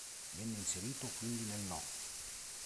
Venne inserito quindi nel No.